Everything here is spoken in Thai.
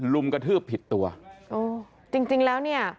ลุ่มกระทืบผิดตัวจริงแล้วเนี่ย